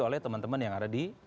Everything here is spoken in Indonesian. oleh teman teman yang ada di